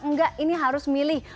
enggak ini harus milih